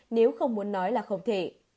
nếu không muốn nói là không thể